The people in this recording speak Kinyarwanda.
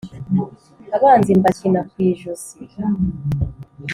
abanzi mbakina ku ijosi